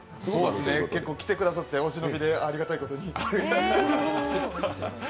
結構来てくださって、お忍びでありがたいことに。